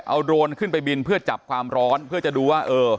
เอาโดรนขึ้นไปบินเพื่อจับความร้อนเพื่อจะดูว่าเออ